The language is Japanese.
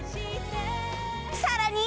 さらに